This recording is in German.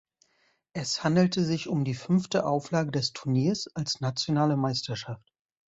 Es handelte sich um die fünfte Auflage des Turniers als nationale Meisterschaft.